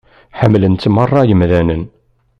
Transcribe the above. Ḥemmlen-tt meṛṛa yemdanen.